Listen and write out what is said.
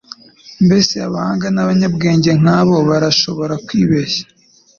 Mbese abahanga b'abanyabwenge nkabo bashobora kwibeshya?»